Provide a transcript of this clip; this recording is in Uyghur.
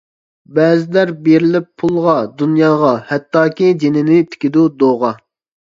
بەزىلەر بېرىلىپ پۇلغا، دۇنياغا، ھەتتاكى جېنىنى تىكىدۇ دوغا.